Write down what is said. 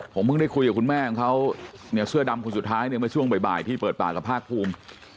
ผมเพิ่งได้คุยกับคุณแม่ของเขาเนี่ยเสื้อดำคนสุดท้ายเนี่ยเมื่อช่วงบ่ายที่เปิดปากกับภาคภูมิ